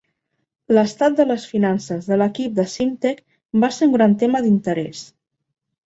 L'estat de les finances de l'equip de Simtek va ser un gran tema d'interès.